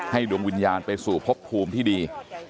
ดวงวิญญาณไปสู่พบภูมิที่ดี